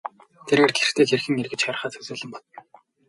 Тэрээр гэртээ хэрхэн эргэж харихаа төсөөлөн бодно.